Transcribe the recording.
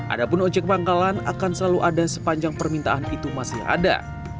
adapun ojek pangkalan akan selalu ada sepanjang permintaan itu masih ada